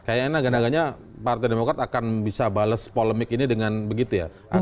kayaknya naga naganya partai demokrat akan bisa bales polemik ini dengan begitu ya